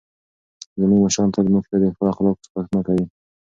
زموږ مشران تل موږ ته د ښو اخلاقو سپارښتنه کوي.